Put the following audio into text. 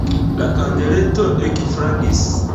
La kandeleto ekflagris.